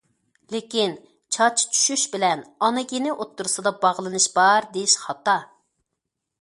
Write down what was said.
لېكىن چاچ چۈشۈش بىلەن ئانا گېنى ئوتتۇرىسىدا باغلىنىش بار دېيىش خاتا.